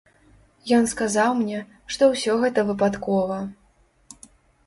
Ён сказаў мне, што ўсё гэта выпадкова.